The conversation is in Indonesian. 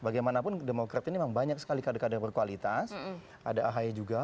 dan mana pun demokrat ini memang banyak sekali kader kader berkualitas ada ahi juga